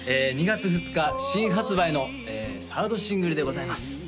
２月２日新発売の３ｒｄシングルでございます